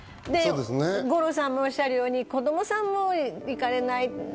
五郎さんのおっしゃるように子供さんも行かれない。